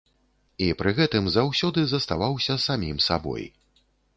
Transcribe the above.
І пры гэтым заўсёды заставаўся самім сабой.